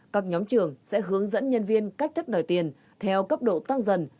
các nhóm trưởng sẽ hướng dẫn nhân viên cách thức đòi tiền theo cấp độ tăng dần